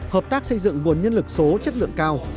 hợp tác xây dựng nguồn nhân lực số chất lượng cao